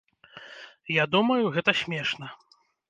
Я думаю, гэта смешна.